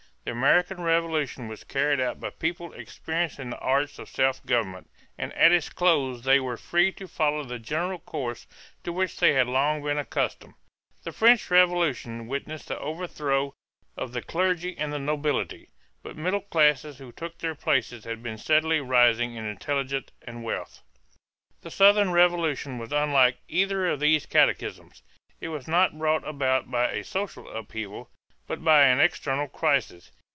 The American Revolution was carried out by people experienced in the arts of self government, and at its close they were free to follow the general course to which they had long been accustomed. The French Revolution witnessed the overthrow of the clergy and the nobility; but middle classes who took their places had been steadily rising in intelligence and wealth. The Southern Revolution was unlike either of these cataclysms. It was not brought about by a social upheaval, but by an external crisis.